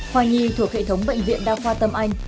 khoa nhi thuộc hệ thống bệnh viện đa khoa tâm anh